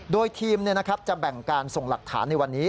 โดยทีมจะแบ่งการส่งหลักฐานในวันนี้